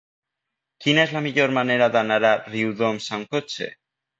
Quina és la millor manera d'anar a Riudoms amb cotxe?